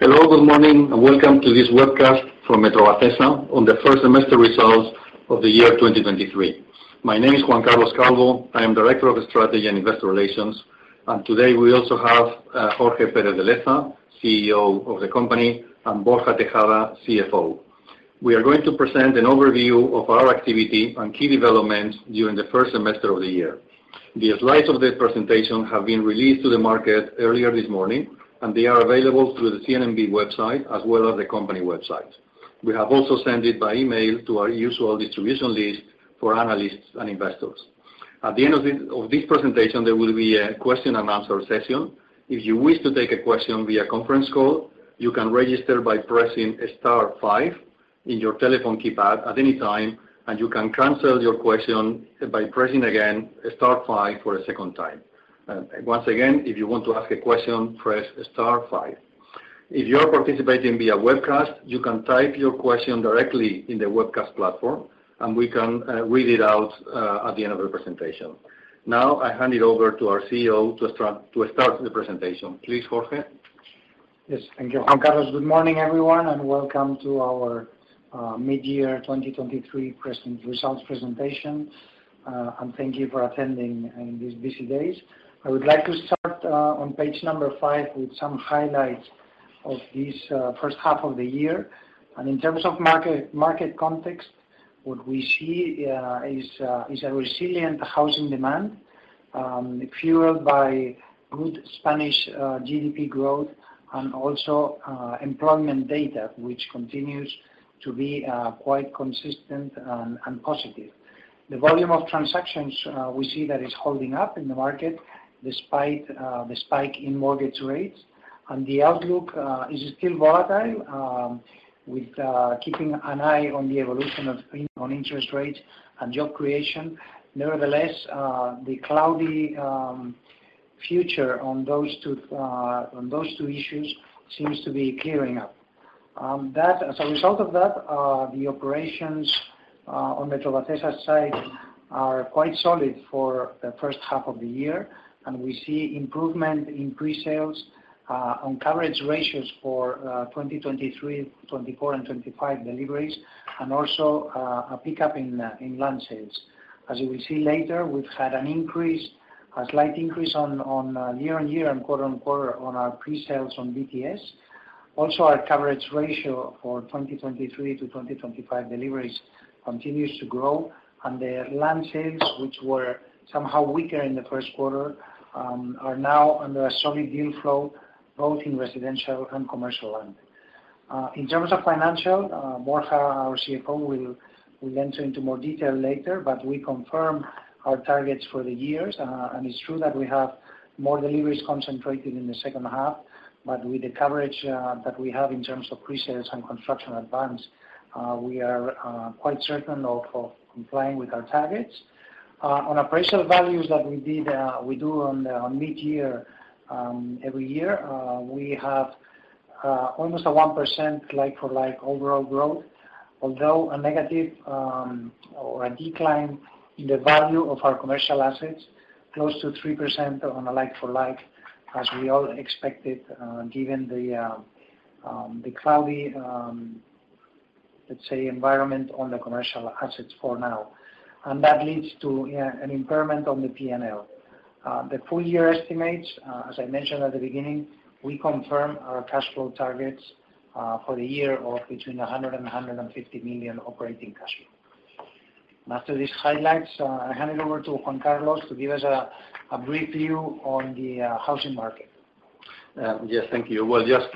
Hello, good morning, and welcome to this webcast from Metrovacesa on the First Semester Results of the year 2023. My name is Juan Carlos Calvo. I am Director of Strategy and Investor Relations, and today we also have Jorge Pérez de Leza, CEO of the company, and Borja Tejada, CFO. We are going to present an overview of our activity and key developments during the first semester of the year. The slides of this presentation have been released to the market earlier this morning, and they are available through the CNMV website as well as the company website. We have also sent it by email to our usual distribution list for analysts and investors. At the end of this presentation, there will be a question and answer session. If you wish to take a question via conference call, you can register by pressing star five in your telephone keypad at any time, and you can cancel your question by pressing again star five for a second time. Once again, if you want to ask a question, press star five. If you are participating via webcast, you can type your question directly in the webcast platform, and we can read it out at the end of the presentation. I hand it over to our CEO to start the presentation. Please, Jorge? Yes. Thank you, Juan Carlos. Welcome to our midyear 2023 results presentation. Thank you for attending in these busy days. I would like to start on page number 5 with some highlights of this first half of the year. In terms of market context, what we see is a resilient housing demand, fueled by good Spanish GDP growth and also employment data, which continues to be quite consistent and positive. The volume of transactions we see that is holding up in the market despite the spike in mortgage rates. The outlook is still volatile, with keeping an eye on the evolution of interest rates and job creation. The cloudy future on those two issues seems to be clearing up. As a result of that, the operations on Metrovacesa side are quite solid for the first half of the year, and we see improvement in pre-sales on coverage ratios for 2023, 2024, and 2025 deliveries, and also a pickup in land sales. As you will see later, we've had an increase, a slight increase on year-on-year and quarter-on-quarter on our pre-sales on BTS. Our coverage ratio for 2023 to 2025 deliveries continues to grow, and the land sales, which were somehow weaker in the first quarter, are now under a solid deal flow, both in residential and commercial land. In terms of financial, Borja, our CFO, will enter into more detail later, but we confirm our targets for the years. It's true that we have more deliveries concentrated in the second half, but with the coverage that we have in terms of pre-sales and construction advance, we are quite certain of complying with our targets. On appraisal values that we did, we do on the midyear every year, we have almost a 1% like for like overall growth. Although a negative, or a decline in the value of our commercial assets, close to 3% on a like for like, as we all expected, given the cloudy, let's say, environment on the commercial assets for now. That leads to, yeah, an impairment on the PNL. The full year estimates, as I mentioned at the beginning, we confirm our cash flow targets for the year of between 100 and 100 and 50 million operating cash flow. After these highlights, I hand it over to Juan Carlos to give us a brief view on the housing market. Yes, thank you.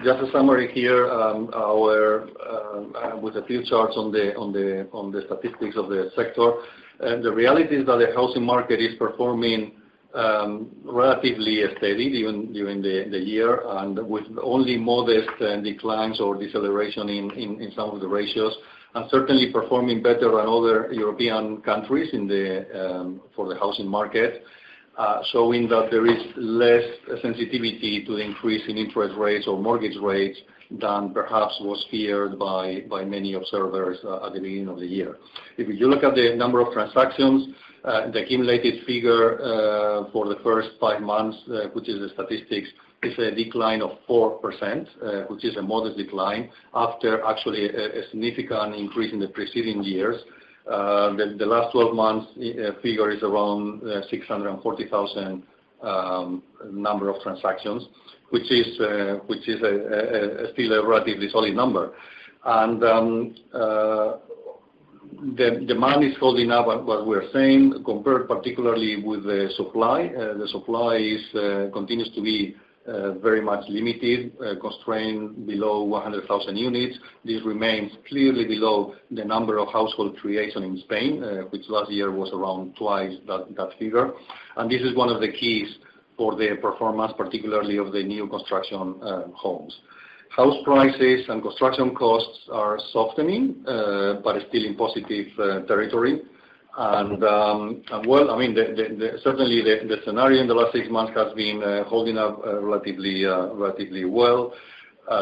Just a summary here, our with a few charts on the statistics of the sector. The reality is that the housing market is performing relatively steady, even during the year and with only modest declines or deceleration in some of the ratios, and certainly performing better than other European countries for the housing market, showing that there is less sensitivity to the increase in interest rates or mortgage rates than perhaps was feared by many observers at the beginning of the year. If you look at the number of transactions, the accumulated figure for the first 5 months, which is the statistics, is a decline of 4%, which is a modest decline, after actually a significant increase in the preceding years. The last 12 months figure is around 640,000 number of transactions, which is a still a relatively solid number. The demand is holding up what we're saying, compared particularly with the supply. The supply is continues to be very much limited, constrained below 100,000 units. This remains clearly below the number of household creation in Spain, which last year was around twice that figure. This is one of the keys for the performance, particularly of the new construction, homes. House prices and construction costs are softening, but still in positive territory. Well, I mean, certainly, the scenario in the last six months has been, holding up, relatively well.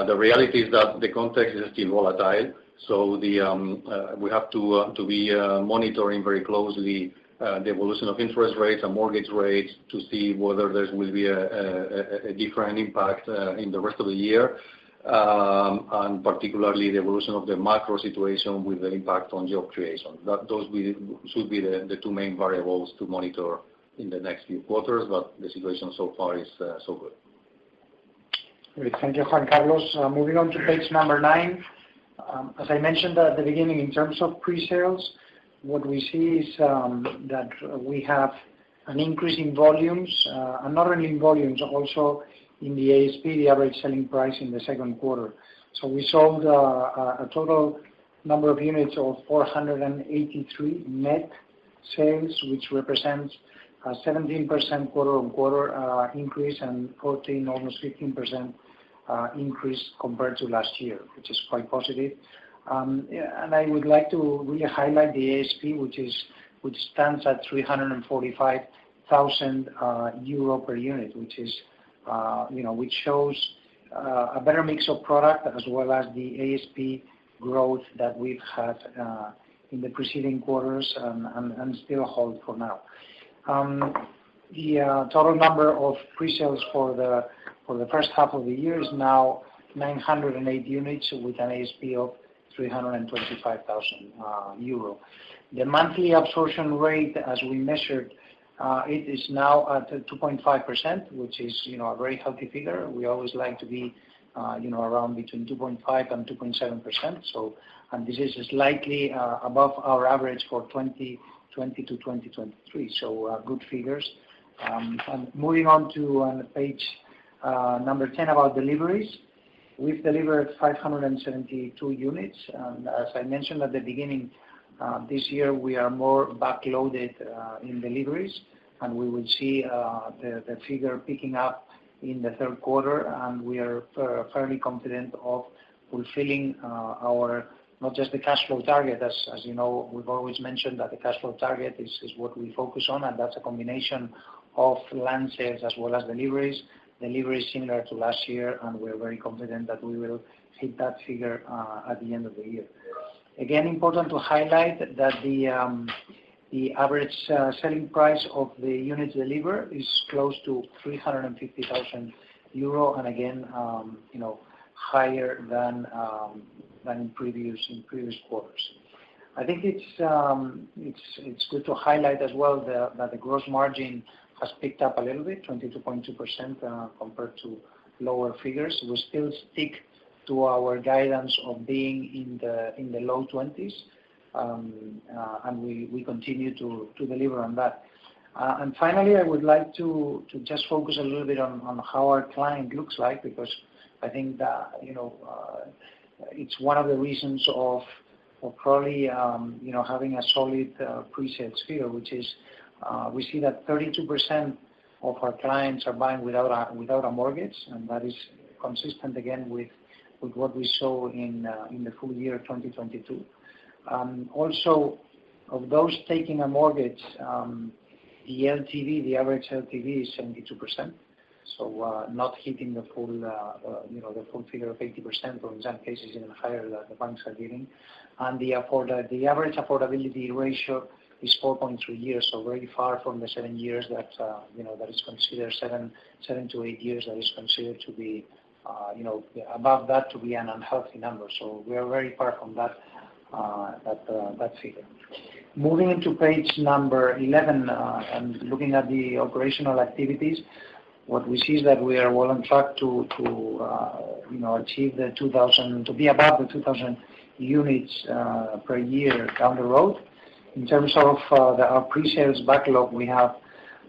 The reality is that the context is still volatile, so we have to be monitoring very closely the evolution of interest rates and mortgage rates to see whether there will be a different impact in the rest of the year. Particularly the evolution of the macro situation with the impact on job creation. Those should be the two main variables to monitor in the next few quarters, but the situation so far is so good. Great. Thank you, Juan Carlos. Moving on to page number 9. As I mentioned at the beginning, in terms of pre-sales, what we see is that we have an increase in volumes, and not only in volumes, also in the ASP, the average selling price in the second quarter. We sold a total number of units of 483 net sales, which represents a 17% quarter-on-quarter increase, and 14%, almost 15%, increase compared to last year, which is quite positive. I would like to rehighlight the ASP, which stands at 345,000 euro per unit, which is, you know, which shows a better mix of product as well as the ASP growth that we've had in the preceding quarters and still hold for now. The total number of pre-sales for the first half of the year is now 908 units, with an ASP of 325,000 euro. The monthly absorption rate, as we measured, it is now at 2.5%, which is, you know, a very healthy figure. We always like to be, you know, around between 2.5% and 2.7%. This is slightly above our average for 2020-2023. Good figures. Moving on to page number 10, about deliveries. We've delivered 572 units, and as I mentioned at the beginning, this year, we are more backloaded in deliveries, and we will see the figure picking up in the third quarter. We are fairly confident of fulfilling our... Not just the cash flow target. As you know, we've always mentioned that the cash flow target is what we focus on, and that's a combination of land sales as well as deliveries. Deliveries similar to last year. We're very confident that we will hit that figure at the end of the year. Again, important to highlight that the average selling price of the units delivered is close to 350,000 euro, and again, you know, higher than in previous quarters. I think it's good to highlight as well that the gross margin has picked up a little bit, 22.2%, compared to lower figures. We still stick to our guidance of being in the low 20s. We continue to deliver on that. Finally, I would like to just focus a little bit on how our client looks like, because I think that, you know, it's one of the reasons of probably, you know, having a solid pre-sales figure, which is, we see that 32% of our clients are buying without a mortgage, and that is consistent again with what we saw in the full year 2022. Also, of those taking a mortgage, the LTV, the average LTV is 72%, so not hitting the full, you know, the full figure of 80% or in some cases, even higher, that the banks are giving. The average affordability ratio is 4.3 years, so very far from the 7 years that, you know, that is considered 7-8 years, that is considered to be, you know, above that, to be an unhealthy number. We are very far from that figure. Moving into page number 11, and looking at the operational activities, what we see is that we are well on track to, you know, achieve to be above the 2,000 units per year down the road. In terms of our pre-sales backlog, we have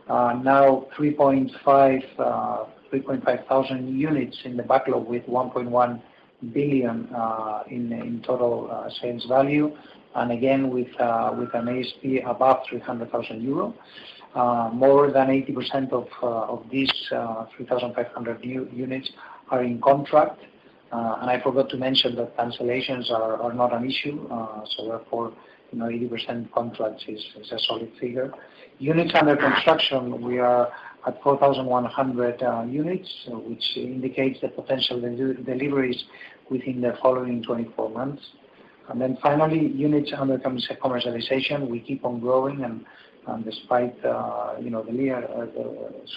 now 3,500 units in the backlog, with 1.1 billion in total sales value, and again, with an ASP above 300,000 euro. More than 80% of these 3,500 units are in contract. I forgot to mention that cancellations are not an issue, so therefore, you know, 80% contracts is a solid figure. Units under construction, we are at 4,100 units, which indicates the potential deliveries within the following 24 months. Finally, units under commercialization, we keep on growing, and despite, you know, the near,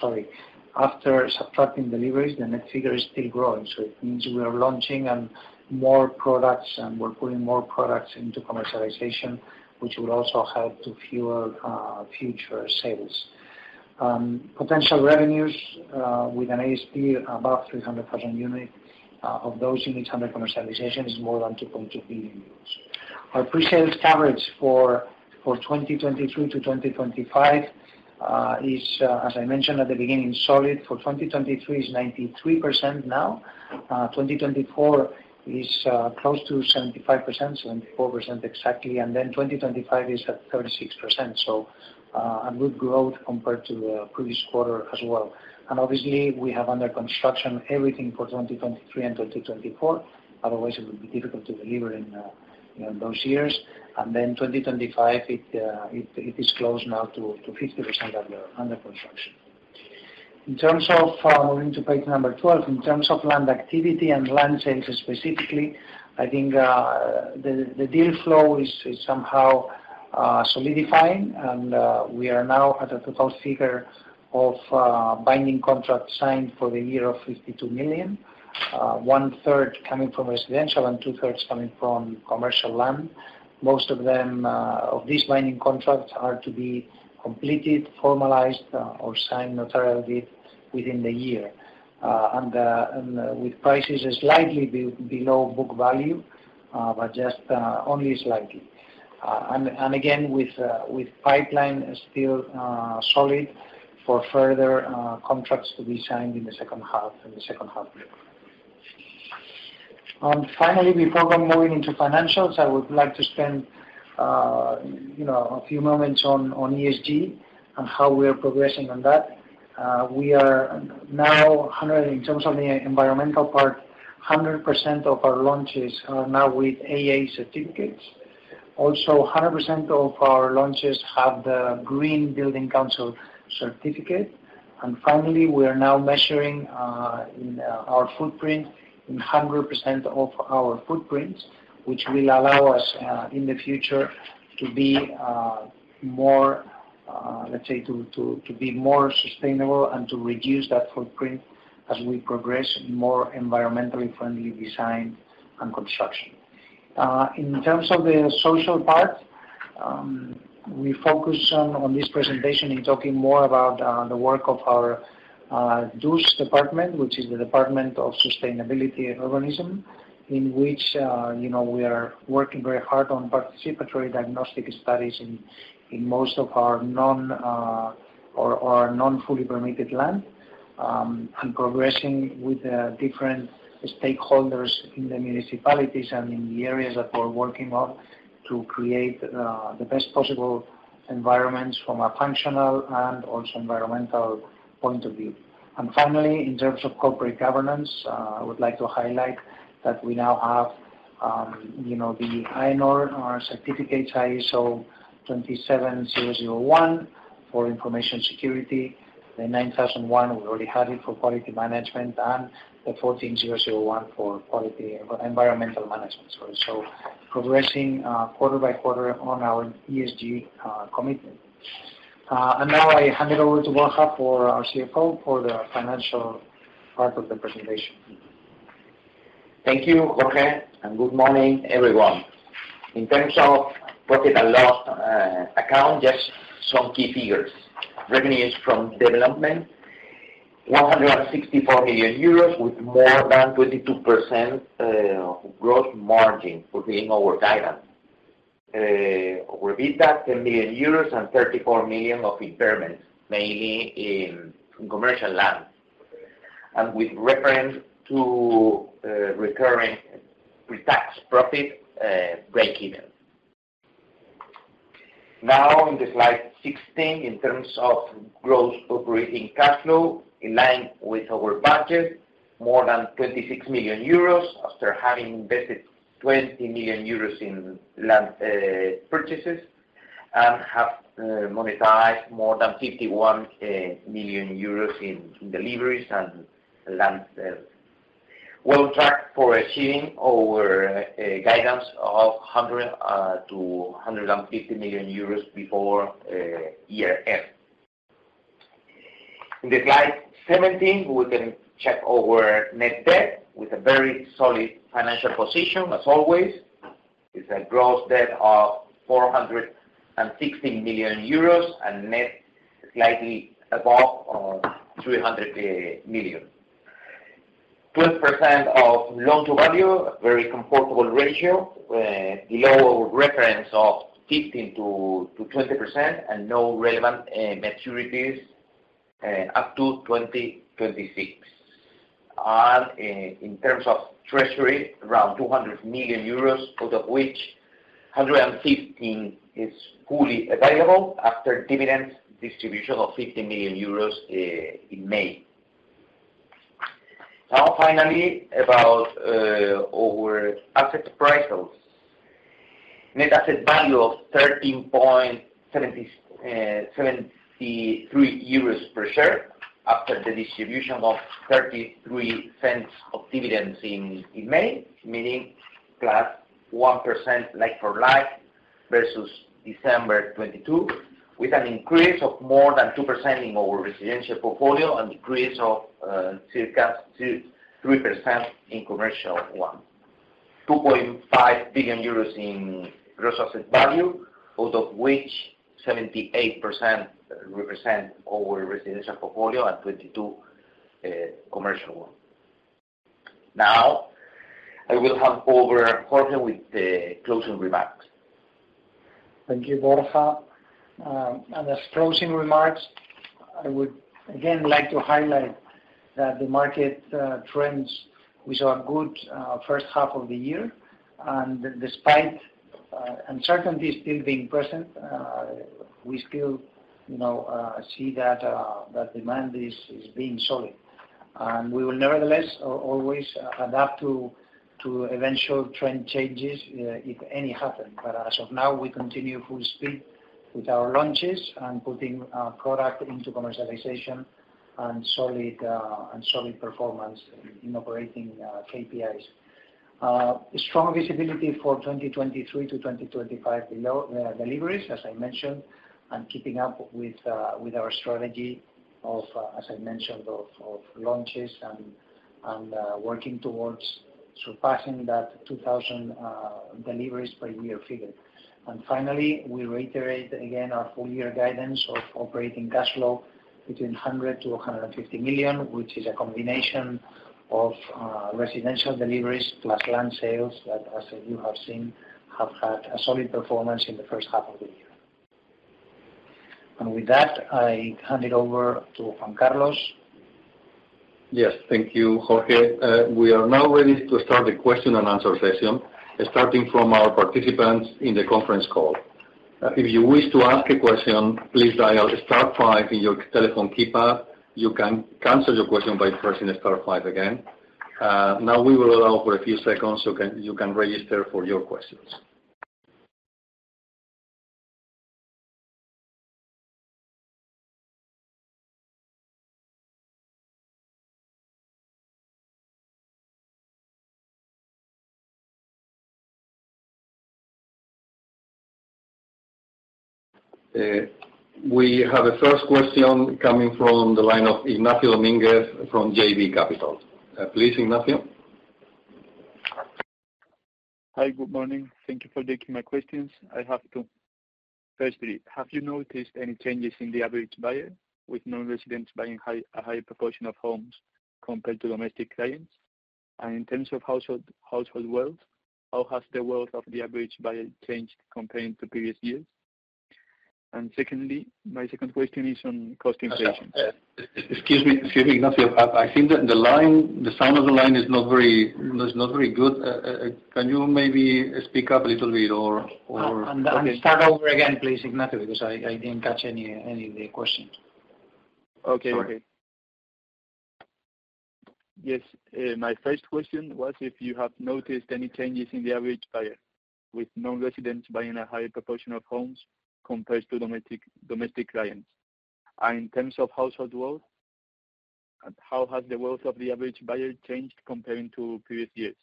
sorry. After subtracting deliveries, the net figure is still growing, so it means we are launching and more products, and we're putting more products into commercialization, which will also help to fuel future sales. Potential revenues, with an ASP above 300,000 unit of those units under commercialization, is more than 2.2 billion euros. Our pre-sales coverage for 2023 to 2025 is as I mentioned at the beginning, solid. For 2023 is 93% now, 2024 is close to 75%, 74% exactly. Then 2025 is at 36%, so a good growth compared to the previous quarter as well. Obviously, we have under construction everything for 2023 and 2024. Otherwise, it would be difficult to deliver in those years. Then 2025, it is close now to 50% of the under construction. In terms of moving to page number 12, in terms of land activity and land changes specifically, I think the deal flow is somehow solidifying. We are now at a total figure of binding contract signed for the year of 52 million. One-third coming from residential and two-thirds coming from commercial land. Most of them of these binding contracts are to be completed, formalized, or signed notarially within the year. With prices slightly below book value, but just only slightly. Again, with pipeline still solid for further contracts to be signed in the second half year. Finally, before we moving into financials, I would like to spend, you know, a few moments on ESG and how we are progressing on that. We are now In terms of the environmental part, 100% of our launches are now with AA certificates. Also, 100% of our launches have the Green Building Council certificate. Finally, we are now measuring in our footprint, in 100% of our footprints, which will allow us in the future, to be more, let's say, to be more sustainable and to reduce that footprint as we progress in more environmentally friendly design and construction. In terms of the social part, we focus on this presentation in talking more about the work of our DUS department, which is the Department of Sustainability and Urbanism. In which, you know, we are working very hard on participatory diagnostic studies in most of our non- or non-fully permitted land. Progressing with the different stakeholders in the municipalities and in the areas that we're working on to create the best possible environments from a functional and also environmental point of view. Finally, in terms of corporate governance, I would like to highlight that we now have, you know, the ISO, our certificate ISO 27001 for information security. The 9001, we already had it for quality management and the 14001 for quality environmental management. Progressing quarter by quarter on our ESG commitment. Now I hand it over to Borja for our CFO, for the financial part of the presentation. Thank you, Jorge. Good morning, everyone. In terms of profit and loss account, just some key figures. Revenues from development, 164 million euros, with more than 22% gross margin for being our guidance. Repeat that, 10 billion euros and 34 million of impairments, mainly in commercial land. With reference to recurring pre-tax profit, breakeven. Now, in slide 16, in terms of gross operating cash flow, in line with our budget, more than 26 million euros, after having invested 20 million euros in land purchases, and have monetized more than 51 million euros in deliveries and land sales. Well, track for achieving our guidance of 100 million-150 million euros before year end. In slide 17, we can check our net debt with a very solid financial position, as always. It's a gross debt of 460 million euros and net slightly above of 300 million. 12% of loan-to-value, a very comfortable ratio, below our reference of 15%-20%, no relevant maturities up to 2026. In terms of treasury, around 200 million euros, out of which 115 million is fully available after dividend distribution of 50 million euros in May. Finally, about our asset prices. Net asset value of 13.73 euros per share after the distribution of 0.33 of dividends in May, meaning +1% like for like versus December 2022, with an increase of more than 2% in our residential portfolio and decrease of circa 2%-3% in commercial one. 2.5 billion euros in gross asset value, out of which 78% represent our residential portfolio and 22% commercial one. I will hand over Jorge with the closing remarks. Thank you, Borja. As closing remarks, I would again like to highlight that the market trends, we saw a good 1st half of the year. Despite uncertainty still being present, we still, you know, see that demand is being solid. We will nevertheless always adapt to eventual trend changes if any happen. As of now, we continue full speed with our launches and putting product into commercialization and solid performance in operating KPIs. Strong visibility for 2023-2025 below deliveries, as I mentioned, and keeping up with our strategy of, as I mentioned, of launches and working towards surpassing that 2,000 deliveries per year figure. Finally, we reiterate again our full year guidance of operating cash flow between 100 million-150 million, which is a combination of residential deliveries plus land sales, that, as you have seen, have had a solid performance in the first half of the year. With that, I hand it over to Juan Carlos. Yes. Thank you, Jorge. We are now ready to start the question and answer session, starting from our participants in the conference call. If you wish to ask a question, please dial star 5 in your telephone keypad. You can cancel your question by pressing star 5 again. Now we will allow for a few seconds so you can register for your questions. We have a first question coming from the line of Ignacio Domenech from JB Capital. Please, Ignacio. Hi, good morning. Thank you for taking my questions. I have two. Firstly, have you noticed any changes in the average buyer, with non-residents buying a higher proportion of homes compared to domestic clients? In terms of household wealth, how has the wealth of the average buyer changed compared to previous years? Secondly, my second question is on cost inflation. Excuse me, Ignacio. I think the line, the sound of the line is not very good. Can you maybe speak up a little bit or? Start over again, please, Ignacio, because I didn't catch any of the questions. Okay. Yes, my first question was if you have noticed any changes in the average buyer, with non-residents buying a higher proportion of homes compared to domestic clients? In terms of household wealth, and how has the wealth of the average buyer changed comparing to previous years?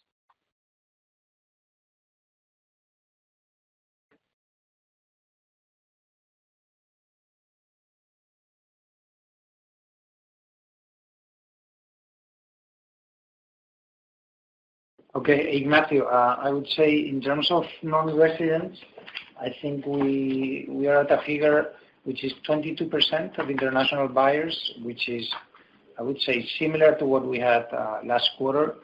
Ignacio, I would say in terms of non-residents, I think we are at a figure which is 22% of international buyers, which is, I would say, similar to what we had last quarter,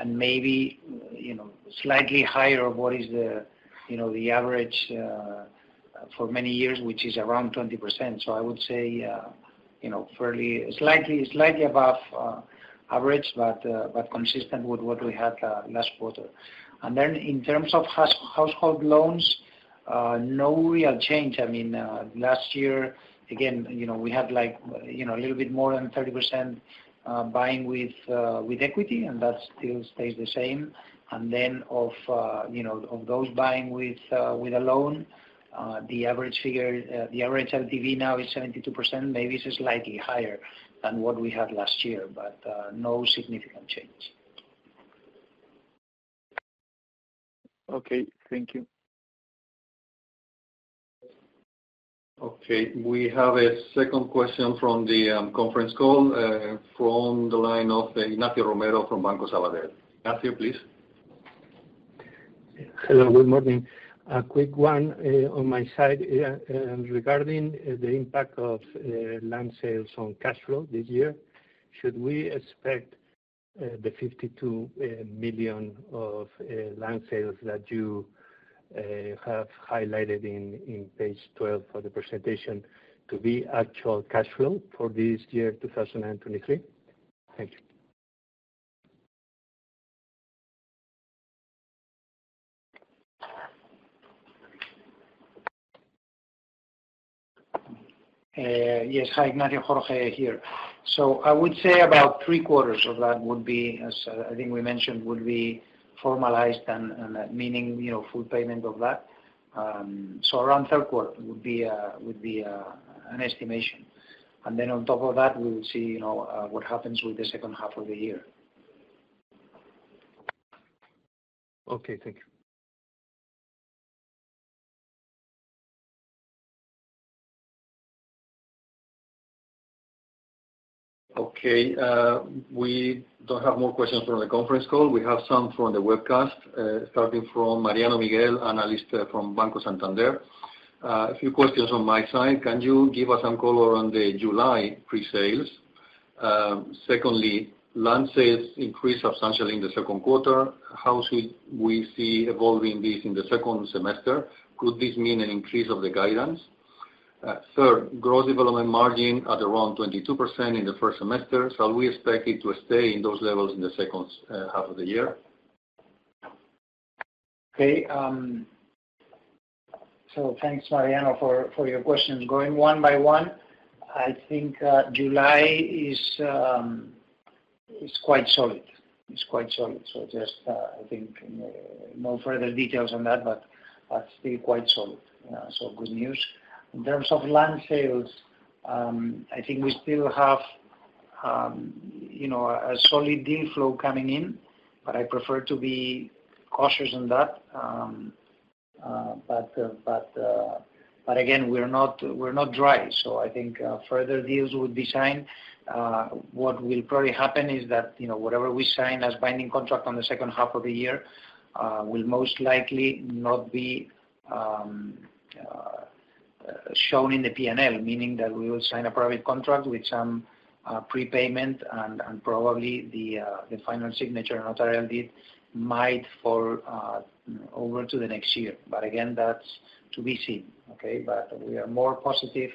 and maybe, you know, slightly higher of what is the, you know, the average for many years, which is around 20%. I would say, you know, fairly slightly above average, but consistent with what we had last quarter. In terms of household loans, no real change. I mean, last year, again, you know, we had, like, you know, a little bit more than 30% buying with equity, and that still stays the same. Of, you know, of those buying with a loan, the average figure, the average LTV now is 72%. Maybe it's slightly higher than what we had last year, but no significant change. Okay. Thank you. We have a second question from the conference call, from the line of Ignacio Romero from Banco Sabadell. Ignacio, please. Hello, good morning. A quick one on my side regarding the impact of land sales on cash flow this year, should we expect the 52 million of land sales that you have highlighted in page 12 of the presentation to be actual cash flow for this year, 2023? Thank you. Yes. Hi, Ignacio. Jorge here. I would say about three quarters of that would be, as I think we mentioned, would be formalized and meaning, you know, full payment of that. Around third quarter would be an estimation. On top of that, we will see, you know, what happens with the second half of the year. Okay. Thank you. We don't have more questions from the conference call. We have some from the webcast, starting from Mariano Miguel, analyst, from Banco Santander. A few questions on my side: Can you give us some color on the July presales? Secondly, land sales increased substantially in the second quarter. How should we see evolving this in the second semester? Could this mean an increase of the guidance? Third, gross development margin at around 22% in the first semester, we expect it to stay in those levels in the second half of the year. Okay, thanks, Mariano, for your question. Going one by one, I think, July is quite solid. It's quite solid, so just, I think no further details on that, but that's still quite solid. Good news. In terms of land sales, I think we still have, you know, a solid deal flow coming in, but I prefer to be cautious on that. Again, we're not dry. I think further deals will be signed. What will probably happen is that, you know, whatever we sign as binding contract on the second half of the year, will most likely not be shown in the P&L, meaning that we will sign a private contract with some prepayment and probably the final signature notarial deed might fall over to the next year. Again, that's to be seen, okay? We are more positive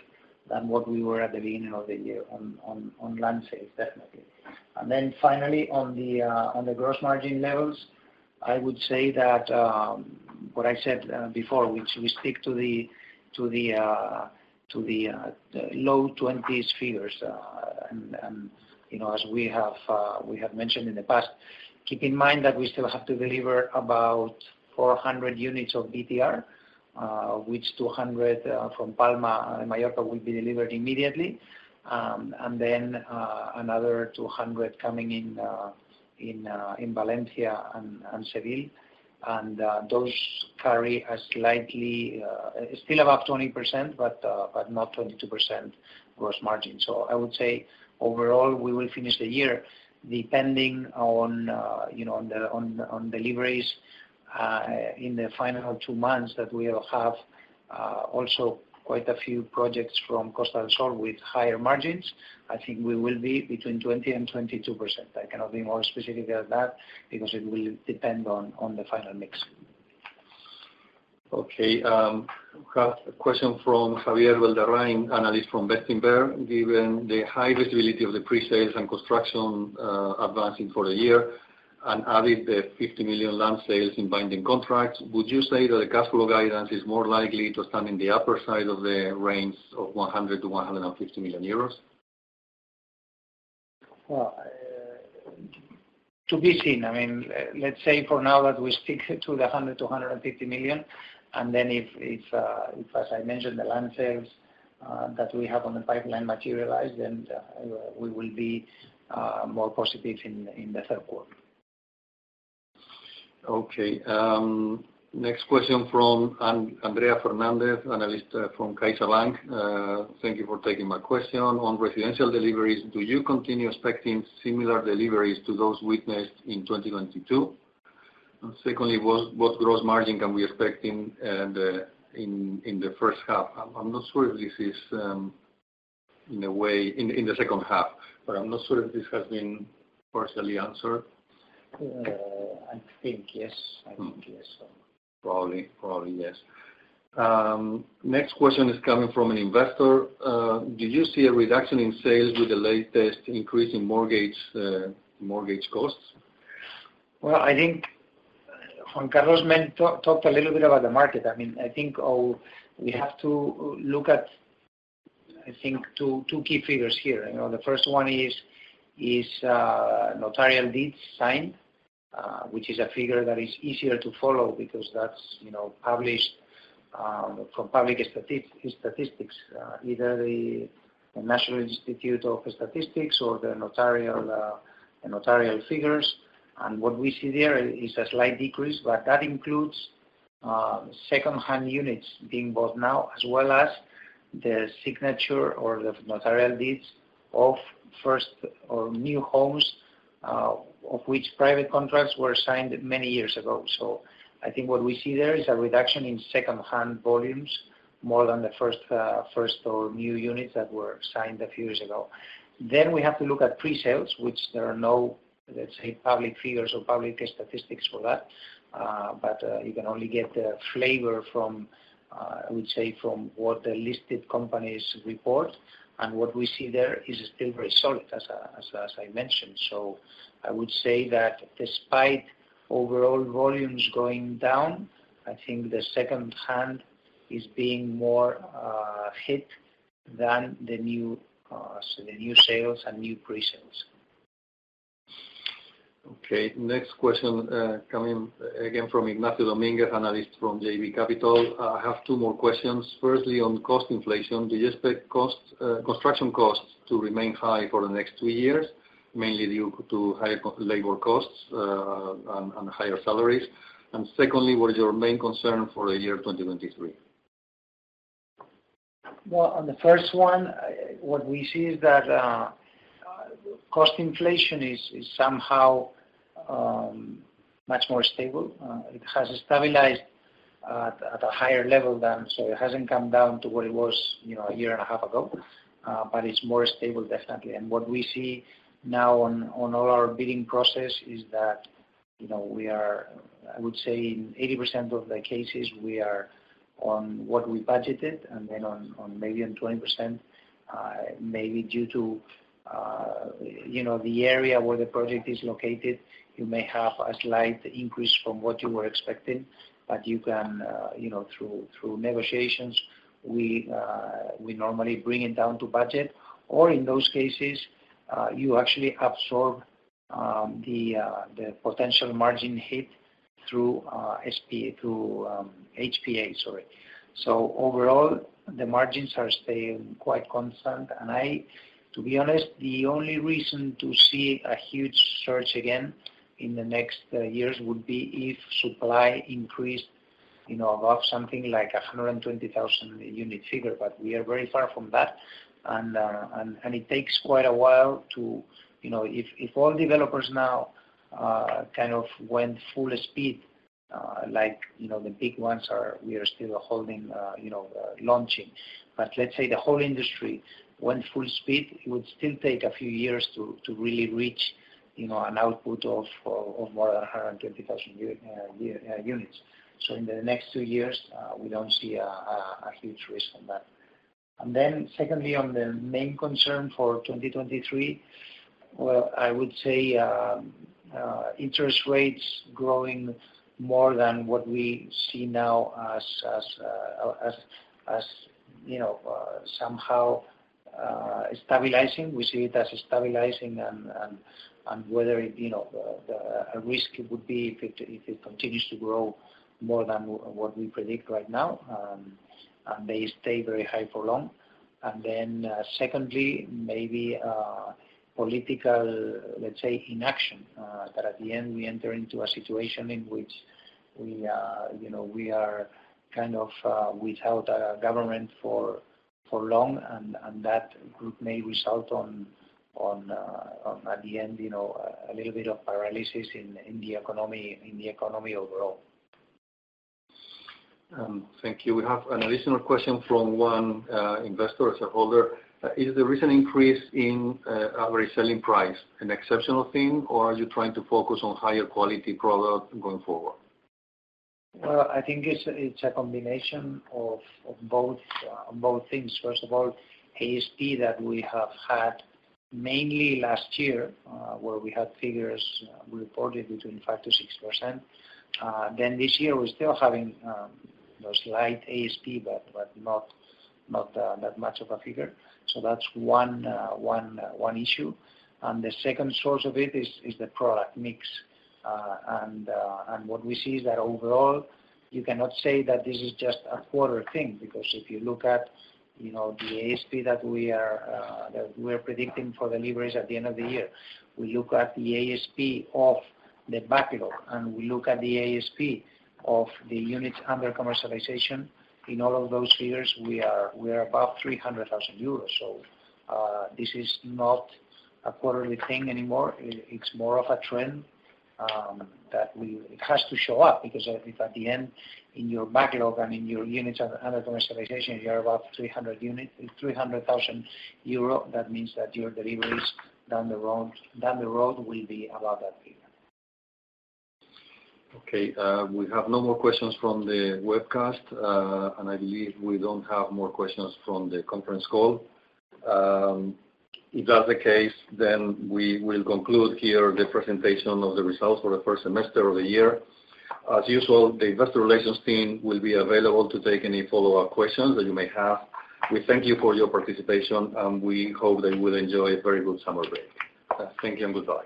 than what we were at the beginning of the year on land sales, definitely. Finally, on the gross margin levels, I would say that what I said before, which we stick to the low twenties figures. And, you know, as we have mentioned in the past, keep in mind that we still have to deliver about 400 units of BTR, which 200 from Palma, Mallorca, will be delivered immediately. And then, another 200 coming in in Valencia and Seville. Those carry a slightly, Still about 20%, but not 22% gross margin. I would say overall, we will finish the year, depending on, you know, on the deliveries in the final 2 months, that we will have also quite a few projects from Costa del Sol with higher margins. I think we will be between 20%-22%. I cannot be more specific than that because it will depend on the final mix. Okay, we have a question from Javier Valderrama, analyst from Bestinver. Given the high visibility of the presales and construction, advancing for the year, and adding the 50 million land sales in binding contracts, would you say that the cash flow guidance is more likely to stand in the upper side of the range of 100 million-150 million euros? To be seen. I mean, let's say for now that we stick to the 100 million-150 million, and then if as I mentioned, the land sales that we have on the pipeline materialize, then we will be more positive in the third quarter. Next question from Andrea Fernandez, analyst from CaixaBank. "Thank you for taking my question. On residential deliveries, do you continue expecting similar deliveries to those witnessed in 2022? Secondly, what gross margin can we expect in the first half?" I'm not sure if this is in the second half, but I'm not sure if this has been partially answered. I think yes. I think yes, so. Probably, yes. Next question is coming from an investor. Do you see a reduction in sales with the latest increase in mortgage costs? Well, I think Juan Carlos Calvo talked a little bit about the market. I mean, I think, we have to look at, I think, two key figures here. You know, the first one is notarial deeds signed, which is a figure that is easier to follow because that's, you know, published from public statistics, either the National Statistics Institute or the notarial figures. What we see there is a slight decrease, but that includes second-hand units being bought now, as well as the signature or the notarial deeds of first or new homes, of which private contracts were signed many years ago. I think what we see there is a reduction in second-hand volumes more than the first or new units that were signed a few years ago. We have to look at presales, which there are no, let's say, public figures or public statistics for that. You can only get the flavor from, I would say, from what the listed companies report. What we see there is still very solid, as I mentioned. I would say that despite overall volumes going down, I think the second-hand is being more hit than the new, the new sales and new presales. Okay, next question, coming again from Ignacio Domenech, analyst from JB Capital. I have two more questions. Firstly, on cost inflation, do you expect costs, construction costs to remain high for the next two years, mainly due to higher labor costs and higher salaries? Secondly, what is your main concern for the year 2023? Well, on the first one, what we see is that cost inflation is somehow much more stable. It has stabilized at a higher level than. It hasn't come down to what it was, you know, a year and a half ago, but it's more stable, definitely. What we see now on all our bidding process is that... you know, we are, I would say in 80% of the cases, we are on what we budgeted, and then on maybe on 20%, maybe due to, you know, the area where the project is located, you may have a slight increase from what you were expecting, but you can, you know, through negotiations, we normally bring it down to budget. In those cases, you actually absorb the potential margin hit through HPA, sorry. Overall, the margins are staying quite constant. I, to be honest, the only reason to see a huge surge again in the next years would be if supply increased, you know, above something like a 120,000 unit figure. We are very far from that, and it takes quite a while to, you know, if all developers now kind of went full speed, like, you know, the big ones are. We are still holding, you know, launching. Let's say the whole industry went full speed, it would still take a few years to really reach, you know, an output of more than 120,000 units. In the next two years, we don't see a huge risk on that. Secondly, on the main concern for 2023, well, I would say, interest rates growing more than what we see now as, you know, somehow, stabilizing. We see it as stabilizing and whether, you know, the risk it would be if it continues to grow more than what we predict right now, and they stay very high for long. Secondly, maybe, political, let's say, inaction, that at the end, we enter into a situation in which we, you know, we are kind of, without a government for long, and that group may result on at the end, you know, a little bit of paralysis in the economy, in the economy overall. Thank you. We have an additional question from 1 investor or shareholder. Is the recent increase in our reselling price an exceptional thing, or are you trying to focus on higher quality product going forward? Well, I think it's a combination of both things. First of all, ASP that we have had mainly last year, where we had figures reported between 5%-6%. This year, we're still having a slight ASP, but not that much of a figure. That's one issue. The second source of it is the product mix. What we see is that overall, you cannot say that this is just a quarter thing, because if you look at, you know, the ASP that we are predicting for deliveries at the end of the year, we look at the ASP of the backlog, and we look at the ASP of the units under commercialization. In all of those figures, we are above 300,000 euros. This is not a quarterly thing anymore. It's more of a trend that it has to show up, because if at the end, in your backlog and in your units under commercialization, you are above 300,000 euro, that means that your deliveries down the road will be above that figure. We have no more questions from the webcast. I believe we don't have more questions from the conference call. If that's the case, we will conclude here the presentation of the results for the first semester of the year. As usual, the investor relations team will be available to take any follow-up questions that you may have. We thank you for your participation, and we hope that you will enjoy a very good summer break. Thank you. Goodbye.